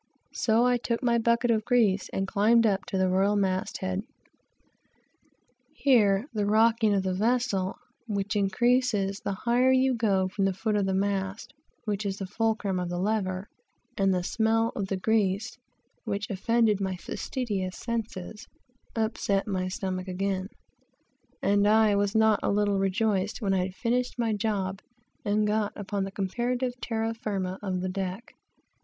So I took my bucket of grease and climbed up to the royal mast head. Here the rocking of the vessel, which increases the higher you go from the foot of the mast, which is the fulcrum of the lever, and the smell of the grease, which offended my fastidious senses, upset my stomach again, and I was not a little rejoiced when I got upon the comparative terra firma of the deck.